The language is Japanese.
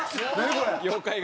これ。